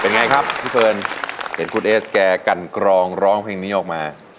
ไงครับพี่เฟิร์นเห็นคุณเอสแกกันกรองร้องเพลงนี้ออกมา